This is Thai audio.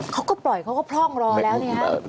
เขาก็ปล่อยเขาก็พร่องรอแล้วนี่ฮะ